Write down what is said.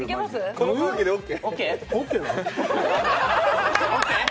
この空気でＯＫ？